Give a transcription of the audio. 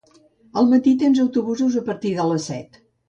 Al matí tens autobusos a partir de les set.